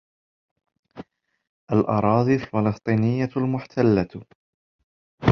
الأراضي الفلسطينية المحتلة